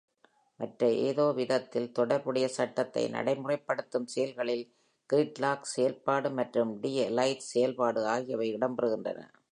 மற்ற, ஏதோ ஒருவிதத்தில் தொடர்புடைய, சட்டத்தை நடைமுறைப்படுத்தும் செயல்களில் கிரிட்லாக் செயல்பாடு மற்றும் D-எலைட் செயல்பாடு ஆகியவை இடம்பெறுகின்றன.